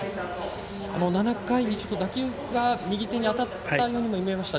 ７回にちょっと打球が右手に当たったようにも見えました。